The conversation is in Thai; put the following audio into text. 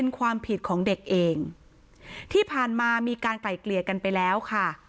ความผิดของเด็กเองที่ผ่านมามีการไกล่เกลี่ยกันไปแล้วค่ะ